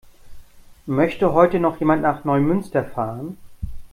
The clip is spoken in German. Möchte heute noch jemand nach Neumünster fahren?